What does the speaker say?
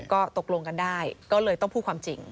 ก็ตกลงกันได้ก็เลยต้องพูดความจริง